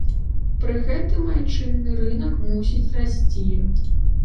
Пры гэтым айчынны рынак мусіць расці.